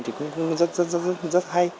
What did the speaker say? thì cũng rất hay